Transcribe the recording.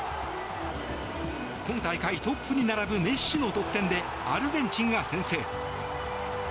今大会トップに並ぶメッシの得点でアルゼンチンが先制。